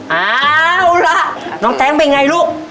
เอาล่ะน้องแต๊งเป็นไงลูก